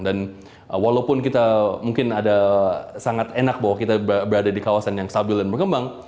dan walaupun kita mungkin ada sangat enak bahwa kita berada di kawasan yang stabil dan berkembang